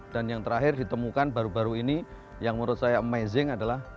dan yang terakhir ditemukan baru baru ini yang menurut saya amazing adalah